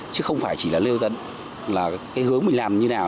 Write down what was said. chứ không phải chỉ là hướng mình làm như nào